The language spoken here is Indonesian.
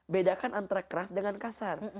bedakan antara keras dengan kasar